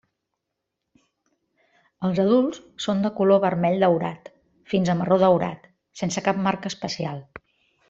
Els adults són de color vermell daurat fins a marró daurat, sense cap marca especial.